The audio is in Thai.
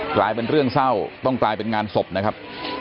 กลายเป็นเรื่องเศร้าต้องกลายเป็นงานศพนะครับ